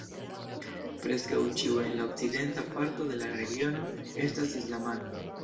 Preskaŭ ĉiuj en la okcidenta parto de la regiono estas islamanoj.